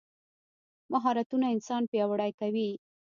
مهارتونه انسان پیاوړی کوي.